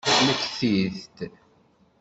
Mmektit-d!